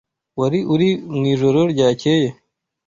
Wari uri mwijoro ryakeye?